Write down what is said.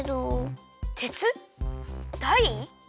てつだい。